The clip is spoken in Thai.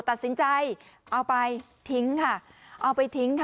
ตัดสินใจเอาไปทิ้งค่ะ